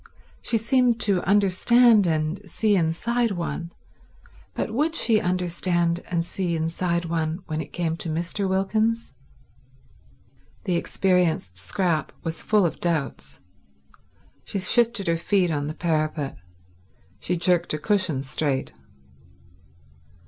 She seemed to understand and see inside one, but would she understand and see inside one when it came to Mr. Wilkins? The experienced Scrap was full of doubts. She shifted her feet on the parapet; she jerked a cushion straight.